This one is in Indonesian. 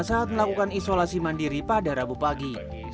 saat melakukan isolasi mandiri pada rabu pagi